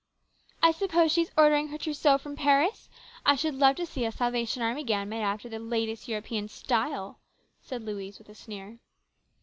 " I suppose she is ordering her trousseau from Paris ? I should love to see a Salvation Army gown made after the latest European style," said Louise with a sneer.